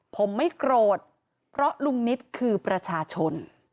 ผมไม่โกรธเพราะลุงนิตคือประชาชน